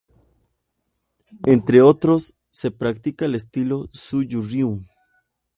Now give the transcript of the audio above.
Entre otros, se practica el estilo "Suyo Ryu".